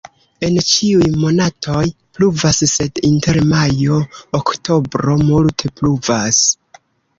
En ĉiuj monatoj pluvas, sed inter majo-oktobro multe pluvas.